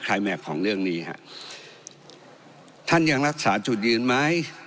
แมคของเรื่องนี้ฮะท่านยังรักษาจุดยืนไหม